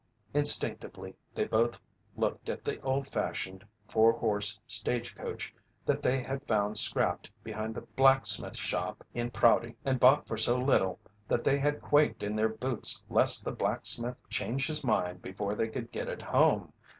Instinctively they both looked at the old fashioned, four horse stage coach that they had found scrapped behind the blacksmith shop in Prouty and bought for so little that they had quaked in their boots lest the blacksmith change his mind before they could get it home.